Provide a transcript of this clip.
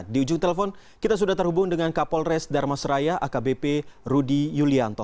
di ujung telepon kita sudah terhubung dengan kapolres darmas raya akbp rudy yulianto